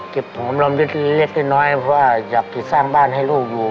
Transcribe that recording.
เก็บของกำลังเล็กน้อยเพราะว่าอยากสร้างบ้านให้ลูกอยู่